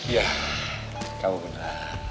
yah kamu benar